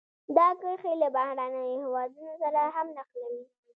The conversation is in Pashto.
دا کرښې له بهرنیو هېوادونو سره هم نښلوي.